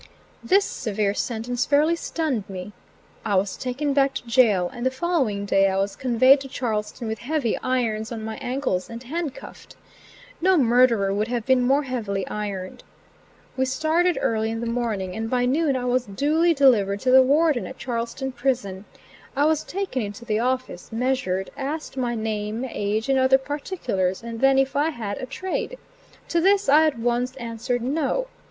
This severe sentence fairly stunned me. I was taken back to jail, and the following day I was conveyed to Charlestown with heavy irons on my ankles and handcuffed. No murderer would have been more heavily ironed. We started early in the morning, and by noon I was duly delivered to the warden at Charlestown prison. I was taken into the office, measured, asked my name, age, and other particulars, and then if I had a trade. To this I at once answered, "no."